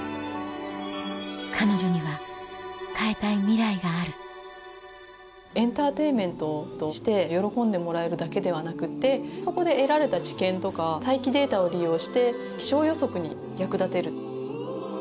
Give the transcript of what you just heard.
彼女には変えたいミライがあるエンターテインメントとして喜んでもらえるだけではなくてそこで得られた知見とか大気データを利用して気象予測に役立てる。